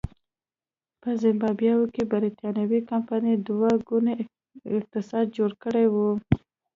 په زیمبابوې کې برېټانوۍ کمپنۍ دوه ګونی اقتصاد جوړ کړی و.